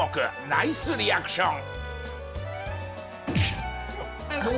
ナイスリアクション。